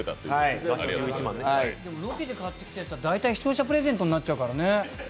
ロケで買ってきたやつは大体視聴者プレゼントになっちゃうからね。